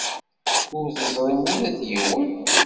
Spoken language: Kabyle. Ur teẓrim ula d yiwen?